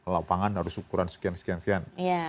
lapangan harus ukuran sekian sekian sekian